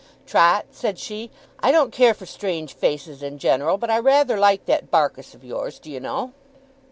'Trot,' said she, 'I don't care for strange faces in general, but I rather like that Barkis of yours, do you know!